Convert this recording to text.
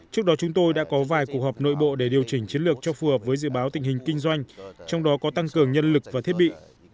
trước đó chúng tôi đã có vài cuộc họp nội bộ để điều chỉnh chiến lược cho phù hợp với dự báo tình hình kinh doanh trong đó có tăng cường nhân lực và thiết bị